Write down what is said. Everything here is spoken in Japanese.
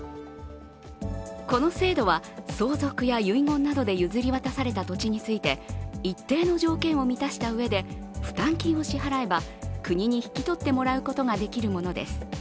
この制度は相続や遺言などで譲り渡された土地について一定の条件を満たした上で負担金を支払えば、国に引き取ってもらうことができるものです。